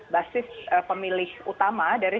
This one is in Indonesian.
basis pemilih utama dari